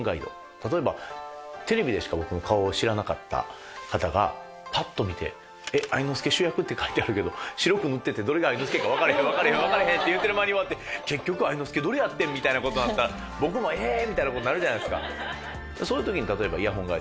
例えばテレビでしか僕の顔を知らなかった方がパッと見て「愛之助主役って書いてあるけど白く塗っててどれが愛之助かわからへんわからへん」って言ってる間に終わって結局愛之助どれやってん？みたいな事になったら僕もえーっ！みたいな事になるじゃないですか。